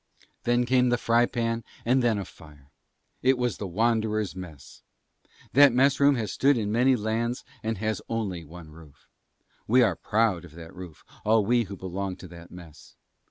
Then came the fry pan and then a fire: it was the Wanderers' Mess. That mess room has stood in many lands and has only one roof. We are proud of that roof, all we who belong to that Mess.